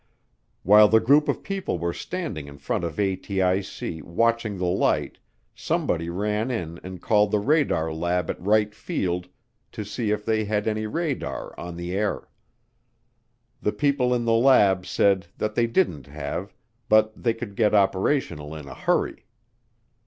While the group of people were standing in front of ATIC watching the light, somebody ran in and called the radar lab at Wright Field to see if they had any radar "on the air." The people in the lab said that they didn't have, but they could get operational in a hurry.